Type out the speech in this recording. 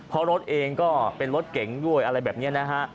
เพราะรถเองก็เป็นรถเก่งด้วยอะไรแบบนี้นะฮะ